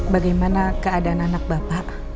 bagaimana keadaan anak bapak